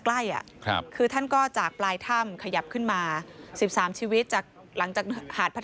ใกล้อ่ะครับคือท่านก็จากปลายถ้ำขยับขึ้นมาสิบสามชีวิตจากหลังจากหาด